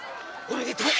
おめでとう！